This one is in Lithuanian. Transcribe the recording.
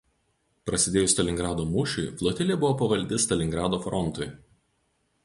Prasidėjus Stalingrado mūšiui flotilė buvo pavaldi Stalingrado frontui.